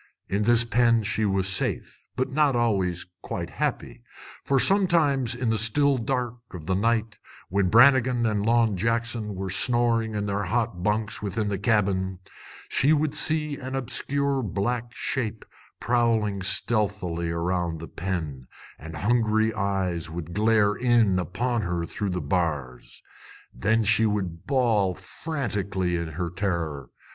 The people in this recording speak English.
In this pen she was safe, but not always quite happy; for sometimes in the still dark of the night, when Brannigan and Long Jackson were snoring in their hot bunks within the cabin, she would see an obscure black shape prowling stealthily around the pen, and hungry eyes would glare in upon her through the bars. Then she would bawl frantically in her terror.